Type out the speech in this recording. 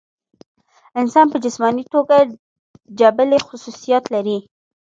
انسان پۀ جسماني توګه جبلي خصوصيات لري